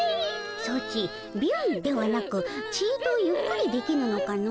ソチビュンではなくちとゆっくりできぬのかの？